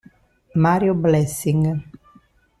Mario Blessing